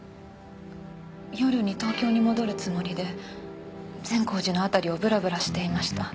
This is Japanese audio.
夜に東京に戻るつもりで善光寺の辺りをぶらぶらしていました。